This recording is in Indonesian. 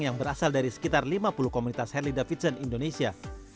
yang berasal dari sekitar lima puluh komunitas harley davidson indonesia